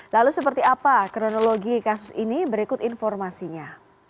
lalu seperti apa kronologi kasus ini berikut informasinya